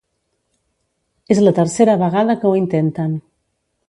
És la tercera vegada que ho intenten.